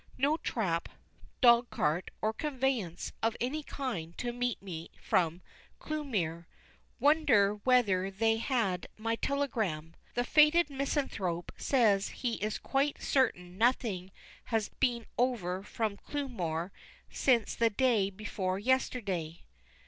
No trap, dog cart, or conveyance of any kind to meet me from Clewmere. Wonder whether they had my telegram. The Faded Misanthrope says he is quite certain nothing has been over from Clewmere since the day before yesterday.